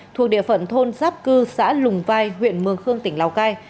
thuộc địa phận thôn giáp cư xã lùng vai huyện mường khương tỉnh lào cai